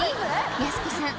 やす子さん